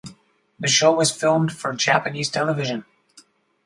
The show was filmed for Japanese television.